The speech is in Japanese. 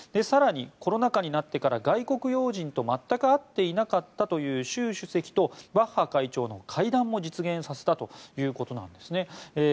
更に、コロナ禍になってから外国要人と全く会っていなかったという習主席とバッハ会長の会談も実現させたということです。